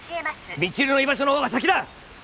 未知留の居場所のほうが先だ！